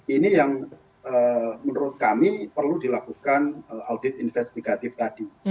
ini yang menurut kami perlu dilakukan audit investigatif tadi